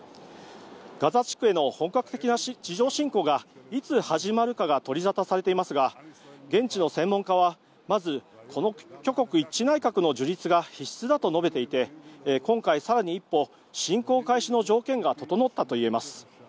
ガザ地区への本格的な地上侵攻がいつ始まるかが取り沙汰されていますが現地の専門家はまず、この挙国一致内閣の樹立が必須だと述べていて今回更に一歩侵攻開始の条件が整ったといえます。